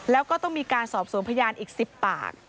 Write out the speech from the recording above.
แล้วก็ต้องมีการสอบสวนพยานอีก๑๐ปาก